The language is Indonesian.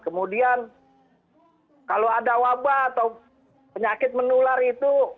kemudian kalau ada wabah atau penyakit menular itu